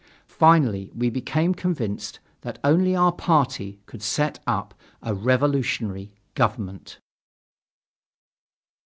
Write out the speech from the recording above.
Finally we became convinced that only our party could set up a revolutionary government.